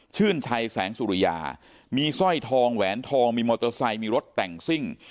ชื่นชัยแสงสุริยามีสร้อยทองแหวนทองมีมอเตอร์ไซค์มีรถแต่งซิ่ง